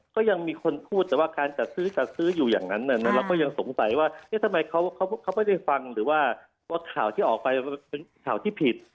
ก็ยังมีคนพูดแต่ว่าการจัดซื้อจัดซื้ออยู่อย่างนั้นเราก็ยังสงสัยว่าเอ๊ะทำไมเขาไม่ได้ฟังหรือว่าข่าวที่ออกไปมันเป็นข่าวที่ผิด